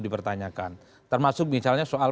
dipertanyakan termasuk misalnya soal